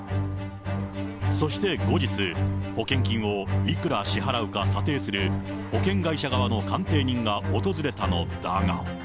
そして後日、保険金をいくら支払うか査定する保険会社側の鑑定人が訪れたのだが。